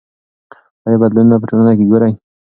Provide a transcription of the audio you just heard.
آیا بدلونونه په ټولنه کې ګورئ؟